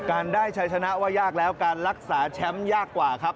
ได้ชัยชนะว่ายากแล้วการรักษาแชมป์ยากกว่าครับ